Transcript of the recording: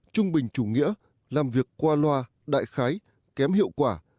trung bình chủ nghĩa làm việc qua loa đại khái kém hiệu quả